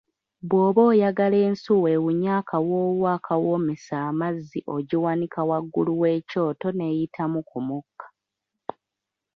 Bw’oba oyagala ensuwa ewunye akawoowo akawoomesa amazzi ogiwanika waggulu w’ekyoto ne yitamu ku mukka.